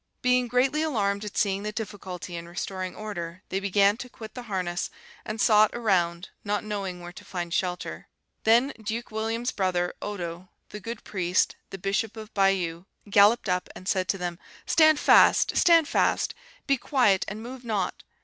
Being greatly alarmed at seeing the difficulty in restoring order, they began to quit the harness, and sought around, not knowing where to find shelter. Then Duke William's brother, Odo, the good priest, the Bishop of Bayeux, galloped up, and said to them, 'Stand fast! stand fast! be quiet and move not!